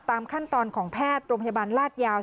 ตามขั้นตอนของแพทย์โรงพยาบาลลาดยาว